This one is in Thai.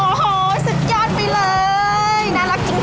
โอ้โหสุดยอดไปเลยน่ารักจริง